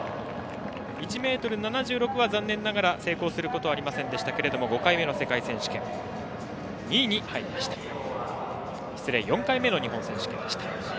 １ｍ７６は残念ながら成功することはありませんでしたが４回目の世界選手権失礼しました、日本選手権２位に入りました。